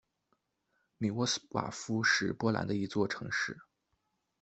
米沃斯瓦夫是波兰的一座城市。